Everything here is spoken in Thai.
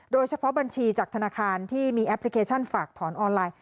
โดยเฉพาะบัญชีจากธนาคารที่มีแอปพลิเคชันฝากถอนออนไลน์